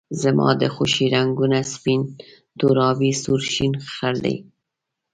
زما د خوښې رنګونه سپین، تور، آبي ، سور، شین ، خړ دي